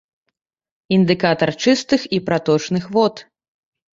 Індыкатар чыстых і праточных вод.